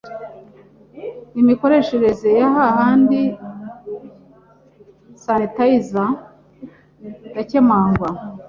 Imikoreshereze ya “Handi Sanitayiza irakemangwa